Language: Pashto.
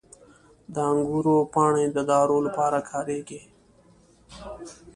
• د انګورو پاڼې د دارو لپاره کارېږي.